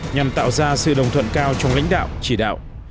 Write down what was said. nhằm tạo ra sự đồng thuận cao trong lãnh đạo chỉ đạo